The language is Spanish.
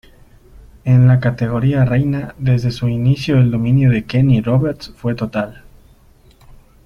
En la categoría reina, desde su inicio el dominio de Kenny Roberts fue total.